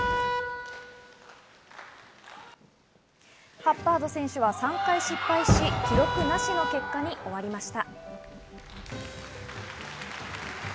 ハッバード選手は３回失敗し、記録なしの結果に終わりました。